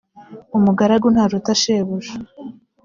umugaragu ntaruta shebuja